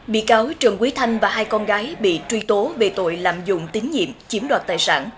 bị cáo trần quý thanh và hai con gái bị truy tố về tội lạm dụng tín nhiệm chiếm đoạt tài sản